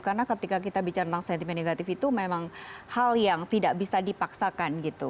karena ketika kita bicara tentang sentimen negatif itu memang hal yang tidak bisa dipaksakan gitu